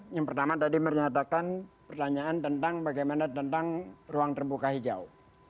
yang pertama tadi menyatakan pertanyaan tentang bagaimana tentang ruang terbuka hijau